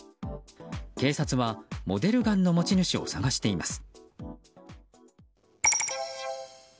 警察はモデルガンの持ち主を探しています。